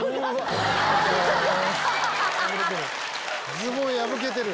ズボン破けてる。